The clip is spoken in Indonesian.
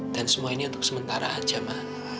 dan semua ini untuk sementara aja ma